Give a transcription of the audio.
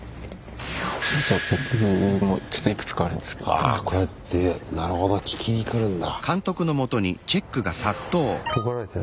はぁこうやってなるほど聞きに来るんだ。